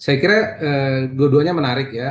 saya kira dua duanya menarik ya